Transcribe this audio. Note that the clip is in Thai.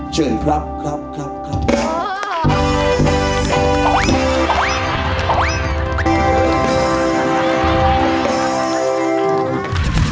เจอครับครับครับครับ